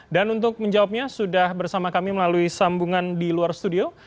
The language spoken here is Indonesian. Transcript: dan untuk menjawabnya sudah bersama kami melalui sambungan di luar studio